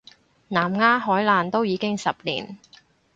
南丫海難都已經十年